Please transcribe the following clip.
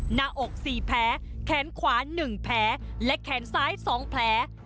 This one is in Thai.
หน้าอก๔แผลแขนขวา๑แผลและแขนซ้าย๒แผล